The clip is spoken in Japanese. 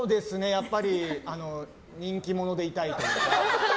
やっぱり人気者でいたいというか。